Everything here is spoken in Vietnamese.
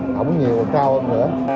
không có nhiều cao hơn nữa